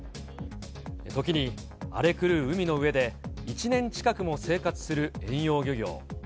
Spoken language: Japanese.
時に、荒れ狂う海の上で１年近くも生活する遠洋漁業。